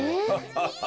ハハハ。